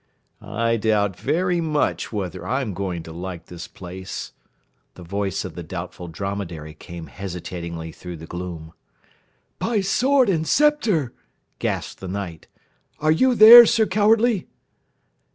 "I doubt very much whether I am going to like this place." The voice of the Doubtful Dromedary came hesitatingly through the gloom. "By sword and scepter!" gasped the Knight, "Are you there, Sir Cowardly?"